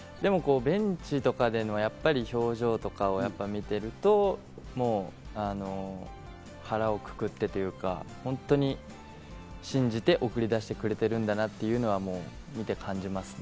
ベンチとかでの表情とかを見てると、腹をくくってというか、本当に信じて送り出してくれてるんだなというのは見て感じますね。